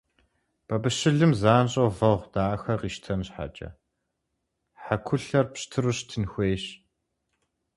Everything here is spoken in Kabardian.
Бабыщылым занщӀэу вэгъу дахэ къищтэн щхьэкӀэ, хьэкулъэр пщтыру щытын хуейщ.